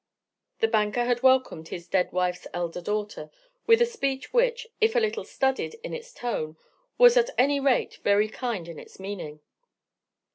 The banker had welcomed his dead wife's elder daughter with a speech which, if a little studied in its tone, was at any rate very kind in its meaning.